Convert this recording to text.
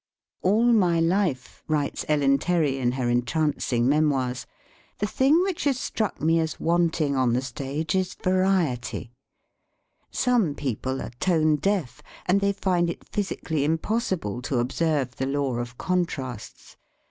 "All my life," writes Ellen Terry, in her entrancing memoirs, "the thing which has struck me as wanting on the stage is variety. Some people are tone deaf, and they find it physically impossible to observe the law of 54 STUDY IN INFLECTION contrasts.